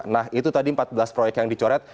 nah itu tadi empat belas proyek yang dicoret